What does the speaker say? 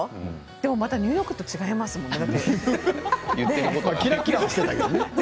でもまた、ニューヨークと違いますよね。